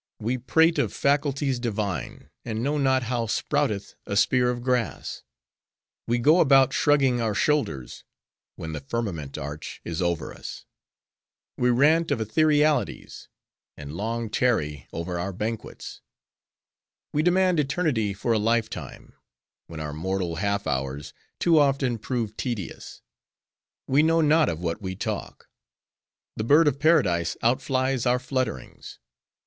We prate of faculties divine: and know not how sprouteth a spear of grass; we go about shrugging our shoulders: when the firmament arch is over us; we rant of etherealities: and long tarry over our banquets; we demand Eternity for a lifetime: when our mortal half hours too often prove tedious. We know not of what we talk. The Bird of Paradise out flies our flutterings.